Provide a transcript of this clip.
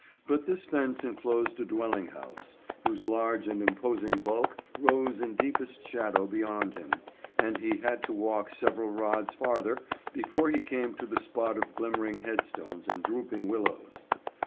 But this fence enclosed a dwelling house, whose large and imposing bulk rose in deepest shadow beyond him, and he had to walk several rods farther before he came to the spot of glimmering headstones and drooping willows.